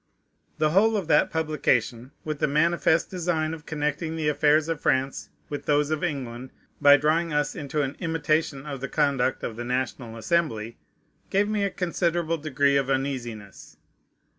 The whole of that publication, with the manifest design of connecting the affairs of France with those of England, by drawing us into an imitation of the conduct of the National Assembly, gave me a considerable degree of uneasiness.